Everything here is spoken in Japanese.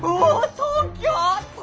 東京！